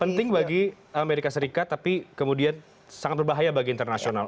penting bagi amerika serikat tapi kemudian sangat berbahaya bagi internasional